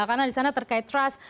karena di sana terkait trust